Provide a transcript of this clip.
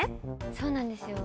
そうなんですよ。